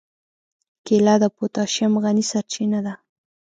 کېله د پوتاشیم غني سرچینه ده.